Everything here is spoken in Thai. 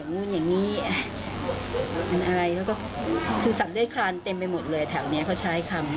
คือจังเลยสรรได้คลานเต็มไปหมดเลยหลังด้านนี้พอใช้คำ